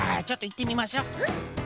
ちょっといってみましょう。